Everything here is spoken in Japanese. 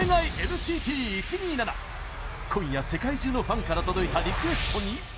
今夜、世界中のファンから届いたリクエストに。